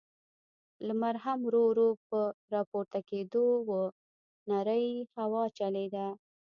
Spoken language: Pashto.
لمر هم ورو، ورو په راپورته کېدو و، نرۍ هوا چلېده.